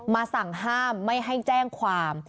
สั่งห้ามไม่ให้แจ้งความ